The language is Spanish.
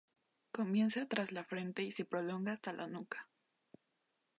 Comienza tras la frente y se prolonga hasta la nuca.